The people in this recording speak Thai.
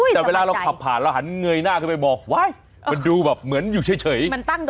แต่เวลาเราขับผ่านเราหันเงยหน้าขึ้นไปมองว้ายมันดูแบบเหมือนอยู่เฉย